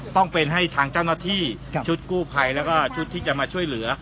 ต้องเป็นให้ทางเจ้าหน้าที่ชุดกู้ภัยแล้วก็ชุดที่จะมาช่วยเหลือ